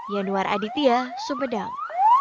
yanuar aditya sumedeng